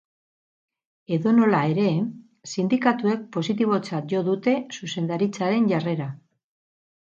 Edonola ere, sindikatuek positibotzat jo dute zuzendaritzaren jarrera.